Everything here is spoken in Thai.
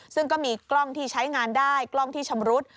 ซึ่งก็มีกล้องที่ใช้งานได้กล้องที่ชำรุด